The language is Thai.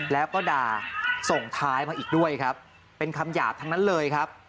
แล้วก็ด่าส่งท้ายมาอีกด้วยครับเป็นคำหยาบทั้งนั้นเลยครับ